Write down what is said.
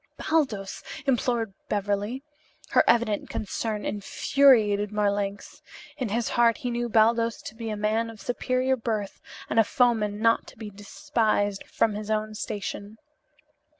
"Baldos!" implored Beverly. Her evident concern infuriated Marlanx. In his heart he knew Baldos to be a man of superior birth and a foeman not to be despised from his own station.